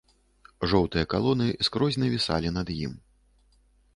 Жоўтыя калоны скрозь навісалі над ім.